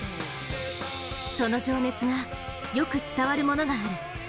その情熱がよく伝わるものがある。